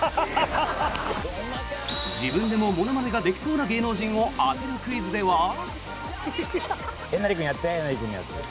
自分でもものまねができそうな芸能人を当てるクイズでは。